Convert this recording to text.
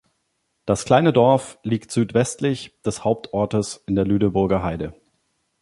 Das kleine Dorf liegt südwestlich des Hauptortes in der Lüneburger Heide.